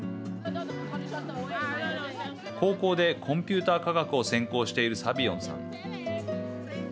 高校でコンピューター科学を専攻しているサビオンさん。